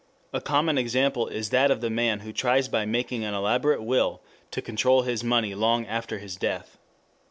A common example is that of the man who tries by making an elaborate will to control his money long after his death.